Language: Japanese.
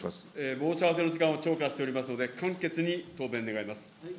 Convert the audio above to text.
申し合わせの時間を超過しておりますので、簡潔に答弁願います。